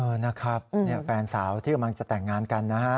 นะครับแฟนสาวที่กำลังจะแต่งงานกันนะฮะ